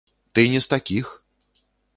Ты не з такіх!